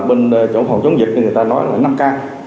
bên chỗ phòng chống dịch người ta nói là năm k